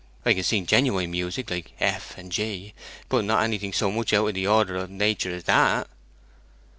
'I can sing genuine music, like F and G; but not anything so much out of the order of nater as that.'